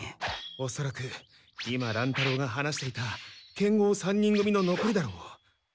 おそらく今乱太郎が話していた剣豪３人組ののこりだろう。